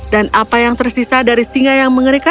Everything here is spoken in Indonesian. dan apa yang tersisa dari singa yang mengerikan